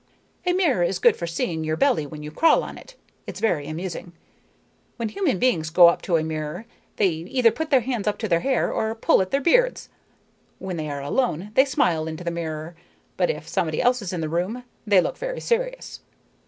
"A mirror is good for seeing your belly when you crawl on it. It's very amusing. When human beings go up to a mirror, they either put their hands up to their hair, or pull at their beards. When they are alone, they smile into the mirror, but if somebody else is in the room they look very serious.